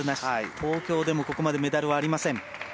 東京でもここまでメダルはありません。